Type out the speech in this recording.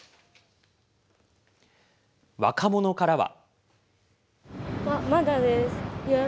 若者からは。